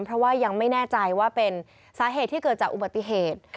เพราะว่ายังไม่แน่ใจว่าเป็นสาเหตุที่เกิดจากอุบัติเหตุ